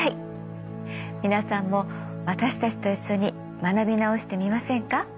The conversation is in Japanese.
皆さんも私たちと一緒に学び直してみませんか？